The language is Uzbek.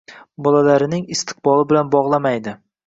bolalarining istiqboli bilan bog‘lamaydi.